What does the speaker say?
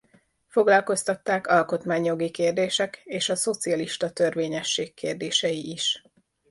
Foglalkoztatták alkotmányjogi kérdések és a szocialista törvényesség kérdései is.